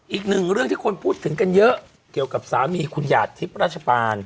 อีกหนึ่งเรื่องที่คนพูดถึงกันเยอะเกี่ยวกับสามีคุณหยาดทิพย์ราชปาน